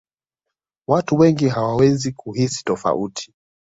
watu wengi hawawezi kuhisi tofauti